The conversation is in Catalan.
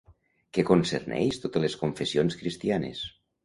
Que concerneix totes les confessions cristianes.